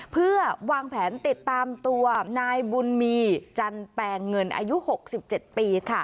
เพื่อวางแผนติดตามตัวนายบุญมีจันแปลงเงินอายุ๖๗ปี